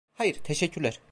Hayır, teşekkürler.